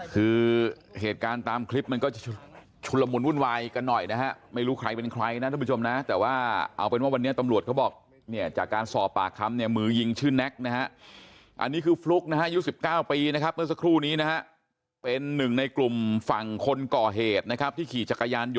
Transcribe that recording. คือเหตุการณ์ตามคลิปมันก็จะชุดชุด